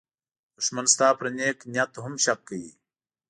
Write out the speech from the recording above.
دښمن ستا پر نېک نیت هم شک کوي